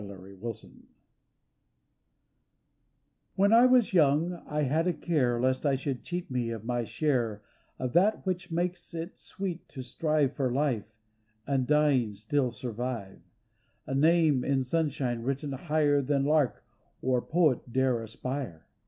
254 SOLILOQUY When I was young I had a care Lest I should cheat me of my share Of that which makes it sweet to strive For life, and dying still survive, A name in sunshine written higher Than lark or poet dare aspire.